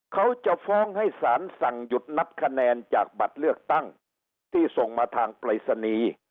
เขาจะฟ้องให้สารสั่งหยุดนับคะแนนจากบัตรเลือกตั้งที่ส่งมาทางปรายศนีย์